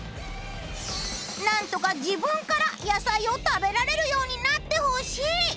何とか自分から野菜を食べられるようになってほしい。